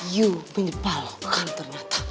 you menyebalkan ternyata